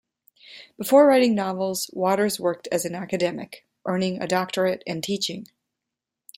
Before writing novels, Waters worked as an academic, earning a doctorate and teaching.